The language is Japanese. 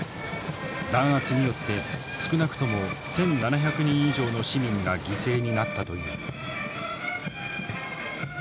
弾圧によって少なくとも１，７００人以上の市民が犠牲になったという。